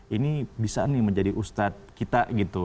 ini bisa nih menjadi ustadz kita gitu